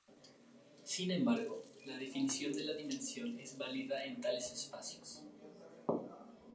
Sin embargo, la definición de la dimensión es válida en tales espacios.